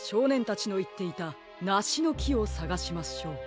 たちのいっていたなしのきをさがしましょう。